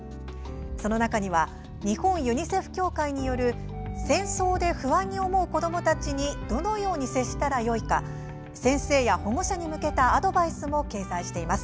その中には日本ユニセフ協会による戦争で不安に思う子どもたちにどのように接したらよいか先生や保護者に向けたアドバイスも掲載しています。